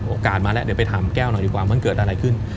โอกาสมาแล้วเดี๋ยวไปถามแก้วหน่อยดีกว่ามันเกิดอะไรขึ้น